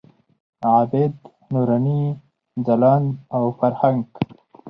عابد، نوراني، ځلاند او فرهنګ.